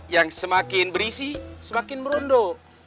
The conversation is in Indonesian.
yang semakin berisi semakin merondo